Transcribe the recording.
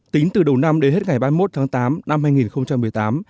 tính từ đầu năm đến hết ngày ba mươi một tháng tám năm hai nghìn một mươi tám